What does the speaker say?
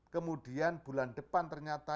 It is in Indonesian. kemudian bulan depan ternyata